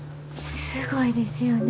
すごいですよね。